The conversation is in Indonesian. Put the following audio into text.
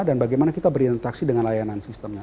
dan bagaimana kita berinteraksi dengan layanan sistemnya